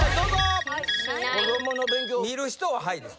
見る人は「はい」です。